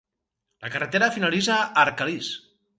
La carretera finalitza a Arcalís.